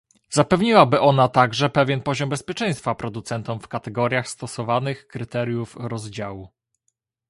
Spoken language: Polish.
Zapewniłaby ona także pewien poziom bezpieczeństwa producentom w kategoriach stosowanych kryteriów rozdziału